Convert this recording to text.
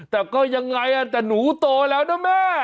แต่ก็ยังไงแต่หนูโตแล้วนะแม่